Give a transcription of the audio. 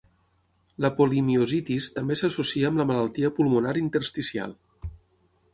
La polimiositis també s'associa amb la malaltia pulmonar intersticial.